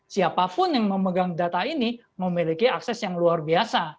siapapun yang memegang data ini memiliki akses yang luar biasa